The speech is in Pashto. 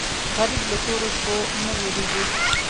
غریب له تورو شپو نه وېرېږي